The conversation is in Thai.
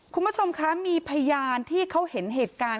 คุณผู้ชมคะมีพยานที่เขาเห็นเหตุการณ์